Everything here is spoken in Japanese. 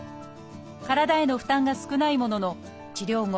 体への負担が少ないものの治療後